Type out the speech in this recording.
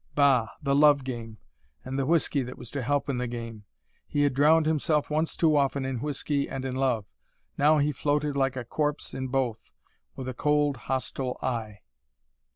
Bah, the love game! And the whiskey that was to help in the game! He had drowned himself once too often in whiskey and in love. Now he floated like a corpse in both, with a cold, hostile eye.